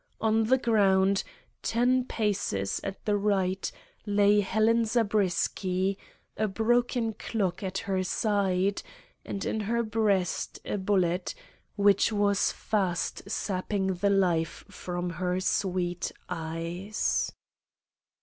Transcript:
On the ground, ten paces at the right, lay Helen Zabriskie, a broken clock at her side, and in her breast a bullet which was fast sapping the life from her sweet eyes.